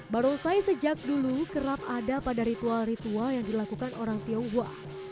barongsai sejak dulu kerap ada pada ritual ritual yang dilakukan orang tionghoa